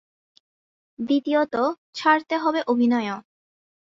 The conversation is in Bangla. দ্বিতীয়ত, ছাড়তে হবে অভিনয়ও।